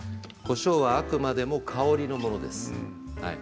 こしょうはあくまでも香りのものです。